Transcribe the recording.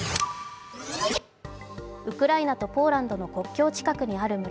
ウクライナとポーランドの国境近くにある村